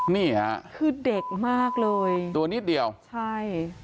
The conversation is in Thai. นี่ค่ะคือเด็กมากเลยตัวนิดเดียวใช่